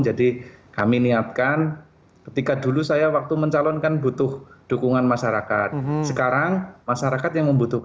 jadi kami niatkan ketika dulu saya waktu mencalonkan butuh dukungan masyarakat